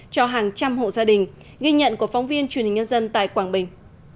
cho hàng trăm hộ gia đình ghi nhận của phóng viên truyền hình nhân dân tại quảng bình